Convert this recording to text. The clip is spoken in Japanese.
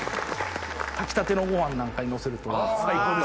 炊きたてのご飯なんかにのせると最高ですよ。